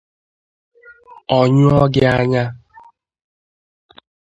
ọ nyụọ gị anya